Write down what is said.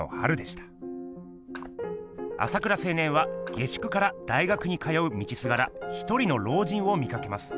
朝倉青年は下宿から大学に通う道すがらひとりの老人を見かけます。